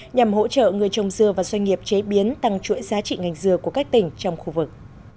nhằm hỗ trợ người trồng dưa và doanh nghiệp chế biến tăng chuỗi giá trị ngành dừa của các tỉnh trong khu vực